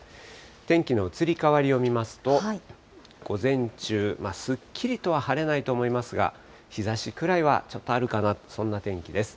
天気の移り変わりを見ますと、午前中、すっきりとは晴れないと思いますが、日ざしくらいはちょっとあるかなと、そんな天気です。